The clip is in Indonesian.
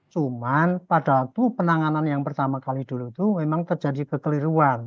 cuman pada waktu penanganan yang pertama kali dulu itu memang terjadi kekeliruan